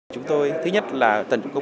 chúng tôi thứ nhất là tận cục bán hàng